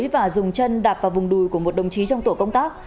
và dùng chân đạp vào vùng đùi của một đồng chí trong tổ công tác